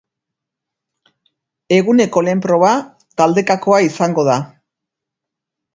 Eguneko lehen proba, taldekakoa izango da.